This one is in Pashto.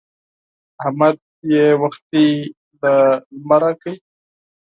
احمد يې وختي له لمره کړ.